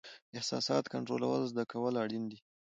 احساساتو کنټرول زده کول اړین دي.